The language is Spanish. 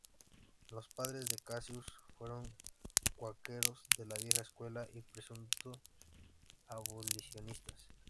Los padres de Cassius fueron cuáqueros de la vieja escuela y presuntos abolicionistas.